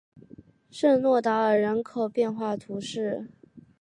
圣若达尔人口变化图示